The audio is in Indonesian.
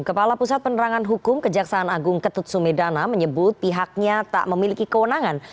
kepala pusat penerangan hukum kejaksaan agung ketut sumedana menyebut pihaknya tak memiliki kewenangan